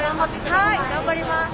はい頑張ります。